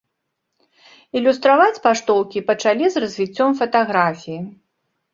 Ілюстраваць паштоўкі пачалі з развіццём фатаграфіі.